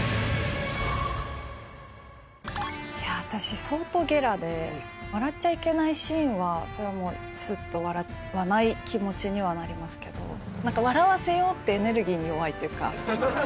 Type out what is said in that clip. いや、私、相当ゲラで、笑っちゃいけないシーンは、それはもう、すっと笑わない気持ちにはなりますけど、なんか笑わせようっていうエネルギーに弱いっていうか。